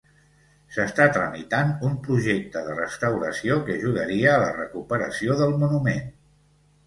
S'està tramitant un projecte de restauració que ajudaria a la recuperació del monument.